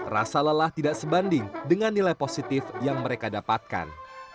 rasa lelah tidak sebanding dengan nilai positif yang mereka dapatkan